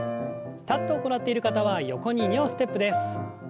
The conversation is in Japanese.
立って行っている方は横に２歩ステップです。